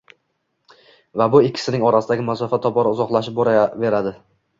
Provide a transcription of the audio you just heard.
va bu ikkisining orasidagi masofa tobora uzoqlashib boraveradi.